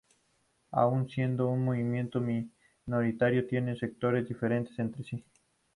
Aun siendo un movimiento minoritario, tiene sectores diferenciados entre sí.